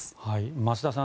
増田さん